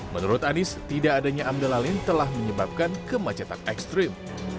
menurut anies tidak adanya amdalalin telah menyebabkan kemacetan ekstrim